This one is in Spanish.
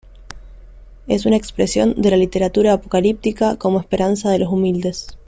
Es una expresión de la literatura apocalíptica como esperanza de los humildes.